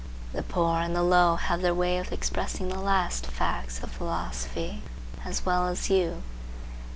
The poor and the low have their way of expressing the last facts of philosophy as well as you.